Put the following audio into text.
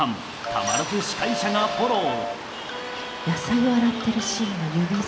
たまらず司会者がフォロー。